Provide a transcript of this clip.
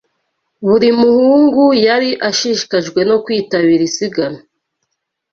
Buri muhungu yari ashishikajwe no kwitabira isiganwa.